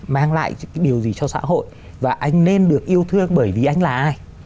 mang lại điều gì cho xã hội và anh nên được yêu thương bởi vì anh là ai